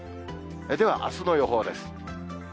ではあすの予報です。